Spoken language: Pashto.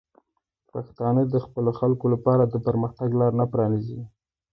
پښتانه د خپلو خلکو لپاره د پرمختګ لاره پرانیزي.